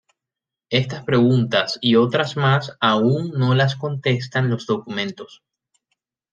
Estas preguntas y otras más aún no las contestan los documentos.